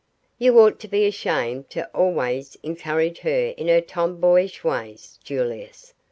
"You ought to be ashamed to always encourage her in her tomboyish ways, Julius.